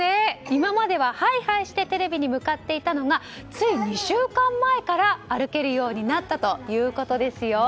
今まではハイハイしてテレビに向かっていたのがつい２週間前から歩けるようになったということですよ。